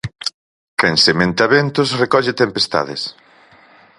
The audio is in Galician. Quen sementa ventos recolle tempestades.